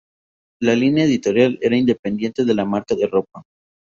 La línea editorial era independiente de la marca de ropa.